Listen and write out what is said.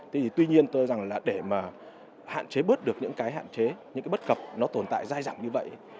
tuy nhiên tôi rằng là để mà hạn chế bớt được những cái hạn chế những cái bất cập nó tồn tại dai dẳng như vậy